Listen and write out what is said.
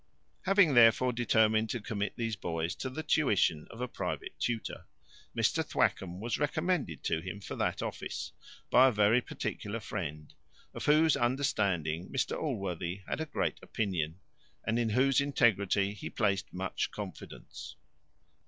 Having, therefore, determined to commit these boys to the tuition of a private tutor, Mr Thwackum was recommended to him for that office, by a very particular friend, of whose understanding Mr Allworthy had a great opinion, and in whose integrity he placed much confidence.